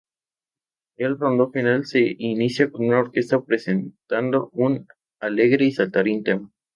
El rondo final se inicia con la orquesta presentando un alegre y "saltarín" tema.